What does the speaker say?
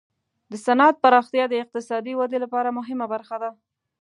د صنعت پراختیا د اقتصادي ودې لپاره مهمه برخه ده.